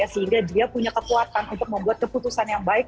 sehingga dia punya kekuatan untuk membuat keputusan yang baik